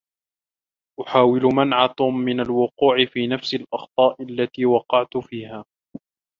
أحاول منع توم من الوقوع في نفس الأخطاء التي وقعت فيها.